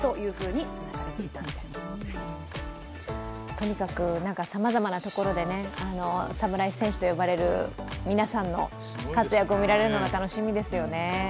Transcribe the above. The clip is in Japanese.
とにかくさまざまなところで侍選手と呼ばれる皆さんの活躍が見られるのが楽しみですよね。